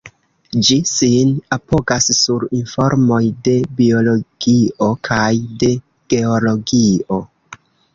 Ĝi sin apogas sur informoj de Biologio kaj de Geologio.